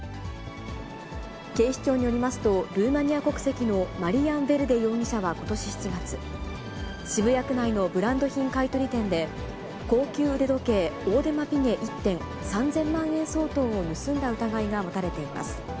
警視庁によりますと、ルーマニア国籍のマリアン・ヴェルデ容疑者はことし７月、渋谷区内のブランド品買い取り店で、高級腕時計、オーデマ・ピゲ１点３０００万円相当を盗んだ疑いが持たれています。